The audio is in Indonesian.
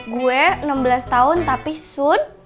gue enam belas tahun tapi sun